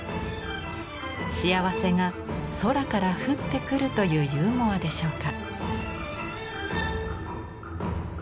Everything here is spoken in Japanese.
幸せが空から降ってくるというユーモアでしょうか？